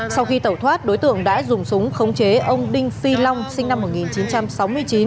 sau khi tẩu thoát đối tượng đã dùng súng khống chế ông đinh phi long sinh năm một nghìn chín trăm sáu mươi chín